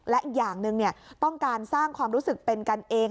และอย่างหนึ่งต้องการสร้างความรู้สึกเป็นกันเอง